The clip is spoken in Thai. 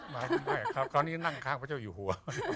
ไม่ครับคราวนี้นั่งข้างพระเจ้าอยู่หัว